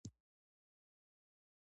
د پورونو مدیریت د دولت دنده ده.